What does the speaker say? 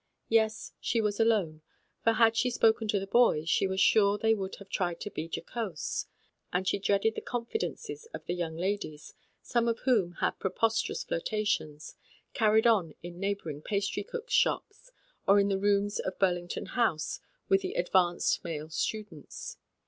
Yes, she was alone, for had THE CENTRAL LONDON SCHOOL OF ABT. 87 she spoken to the boys, she was sure they would have tried to be jocose ; and she dreaded the confidences of the young ladies, some of whom had prosperous flirtations, car ried on in neighbouring pastry cooks' shops, or in the rooms of Burlington House with the " advanced " male students.